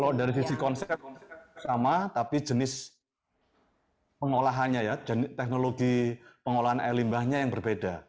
kalau dari sisi konsep sama tapi jenis pengolahannya teknologi pengelolaan air limbahnya yang berbeda